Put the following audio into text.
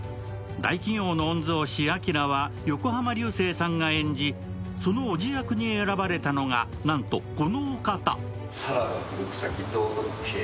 大企業の御曹司・あきらは横浜流星さんが演じその叔父役に選ばれたのが、なんとこの御方。